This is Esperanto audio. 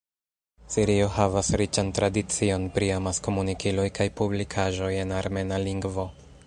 Sirio havas riĉan tradicion pri amaskomunikiloj kaj publikaĵoj en armena lingvo.